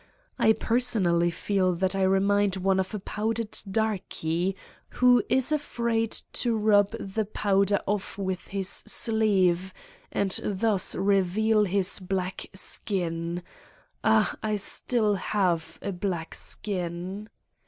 I personally feel that I re mind one of a powdered darkey, who is afraid to rub the powder off with his sleeve and thus reveal his black skin ... ah, I still have a black skin!